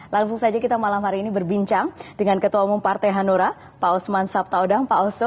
langsung saja kita malam hari ini berbincang dengan ketua umum partai hanura pak osman sabtaodang pak oso